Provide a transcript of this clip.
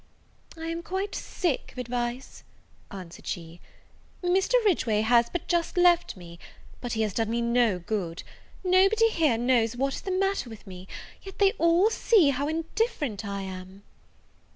"I am quite sick of advice," answered she, "Mr. Ridgeway has but just left me, but he has done me no good. Nobody here knows what is the matter with me, yet they all see how indifferent I am."